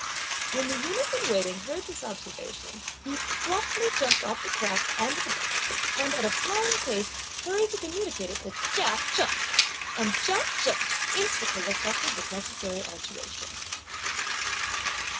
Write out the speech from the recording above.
'" When the eunuch in waiting heard this observation, he promptly jumped off the craft on to the bank, and at a flying pace hurried to communicate it to Chia Cheng, and Chia Cheng instantly effected the necessary alteration.